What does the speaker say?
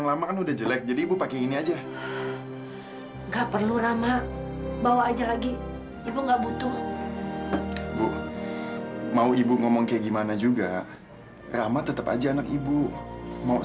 sampai jumpa di video selanjutnya